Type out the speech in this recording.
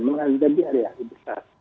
menghadapi hari hari besar